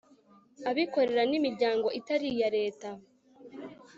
abikorera n' imiryango itari iya leta